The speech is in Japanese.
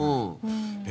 え？